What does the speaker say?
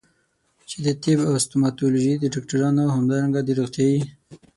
چې د طب او ستوماتولوژي د ډاکټرانو او همدارنګه د روغتيايي